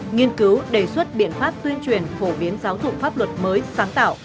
nghiên cứu đề xuất biện pháp tuyên truyền phổ biến giáo dục pháp luật mới sáng tạo